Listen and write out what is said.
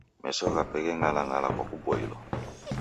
Meso ghape gheng'alang'ala kwa kuboilwa.